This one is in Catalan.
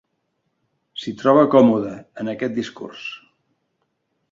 S'hi troba còmode, en aquest discurs.